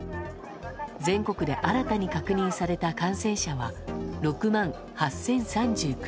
全国で新たに確認された感染者は、６万８０３９人。